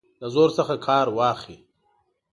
له زور څخه کار واخلي.